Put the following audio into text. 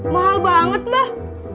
mahal banget mbak